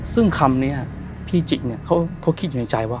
ซึ่งคำนี้พี่จิเนี่ยเขาคิดอยู่ในใจว่า